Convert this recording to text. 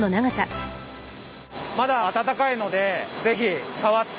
まだ温かいので是非触って。